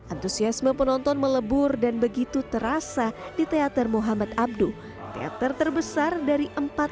antusiasme penonton melebur dan begitu terasa di teater muhammad abduh teater terbesar dari empat